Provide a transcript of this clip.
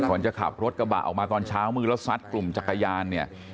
จะขับรถกระบะออกมาตอนเช้ามือแล้วซัดกลุ่มจักรยานเนี่ย